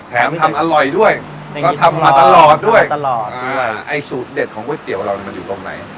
แถมทำอร่อยด้วยแล้วทำมาตลอดด้วยสูตรเด็ดของก๋วยเตี๋ยวเรามันอยู่ตรงไหน